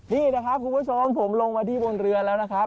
นี่นะครับคุณผู้ชมผมลงมาที่บนเรือแล้วนะครับ